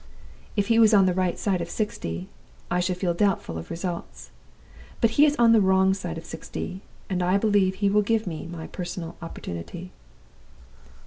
If he was on the right side of sixty, I should feel doubtful of results. But he is on the wrong side of sixty, and I believe he will give me my personal opportunity.